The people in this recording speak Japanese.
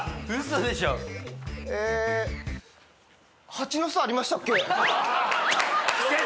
蜂の巣ありましたっけ？